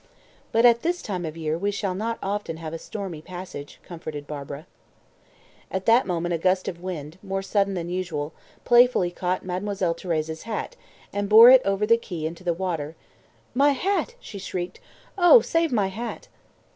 "But at this time of year we shall not often have a stormy passage," comforted Barbara. At that moment a gust of wind, more sudden than usual, playfully caught Mademoiselle Thérèse's hat, and bore it over the quay into the water. "My hat!" she shrieked. "Oh, save my hat!"